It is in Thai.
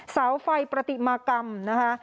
สาวไฟประติมากรรมนะคะ